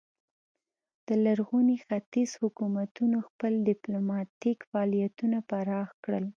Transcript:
د لرغوني ختیځ حکومتونو خپل ډیپلوماتیک فعالیتونه پراخ کړل